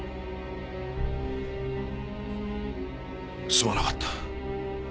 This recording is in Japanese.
すまなかった。